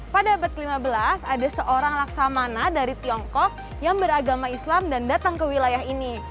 pada abad ke lima belas ada seorang laksamana dari tiongkok yang beragama islam dan datang ke wilayah ini